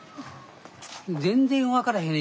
全然分からへん